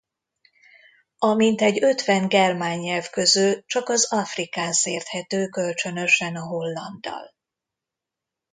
A mintegy ötven germán nyelv közül csak az afrikaans érthető kölcsönösen a hollanddal.